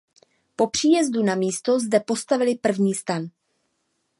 Po příjezdu na místo zde postavili první stan.